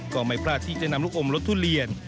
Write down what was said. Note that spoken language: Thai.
ก็ไม่พลาดที่จะนำลูกอมลดทุเรียน